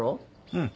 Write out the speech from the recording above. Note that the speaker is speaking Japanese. うん。